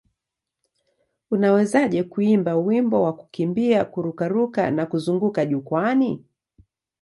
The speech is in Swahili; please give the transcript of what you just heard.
Unawezaje kuimba wimbo kwa kukimbia, kururuka na kuzunguka jukwaani?